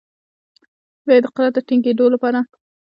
بیا یې د قدرت د ټینګیدو لپاره